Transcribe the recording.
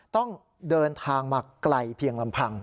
ต้องเดินทางมาไกลเพียงลำพัง